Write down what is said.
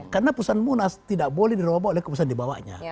karena pesan munas tidak boleh diroboh oleh pesan dibawanya